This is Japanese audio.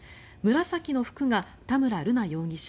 紫の服が田村瑠奈容疑者